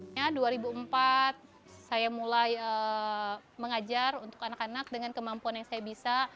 akhirnya dua ribu empat saya mulai mengajar untuk anak anak dengan kemampuan yang saya bisa